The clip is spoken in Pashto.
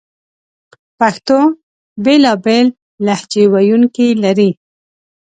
پښتو بېلابېل لهجې ویونکې لري